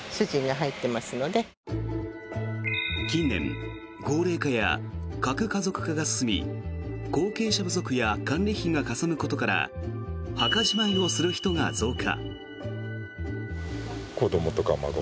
近年、高齢化や核家族化が進み後継者不足や管理費がかさむことから墓じまいをする人が増加。